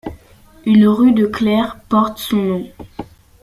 Une rue de Clères porte son nom.